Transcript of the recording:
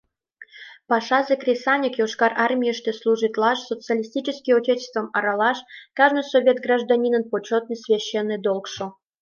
Пашазе-кресаньык Йошкар Армийыште служитлаш, социалистический Отечествым аралаш — кажне совет гражданинын почётный, священный долгшо.